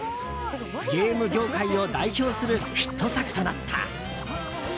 ゲーム業界を代表するヒット作となった。